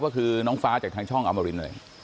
ว่าคือน้องฟ้าจากช่องอมริน